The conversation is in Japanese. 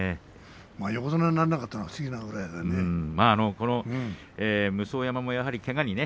横綱にならなかったのが不思議なぐらいだね。